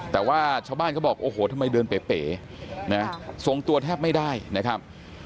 แต่ว่าชาวบ้านเขาบอกโอ้โหทำไมเดินเป๋นะส่งตัวแทบไม่ได้นะครับ